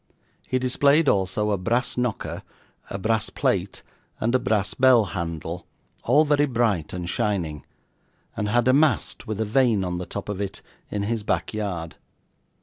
He displayed also a brass knocker, a brass plate, and a brass bell handle, all very bright and shining; and had a mast, with a vane on the top of it, in his back yard.